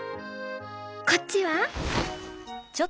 こっちは？」。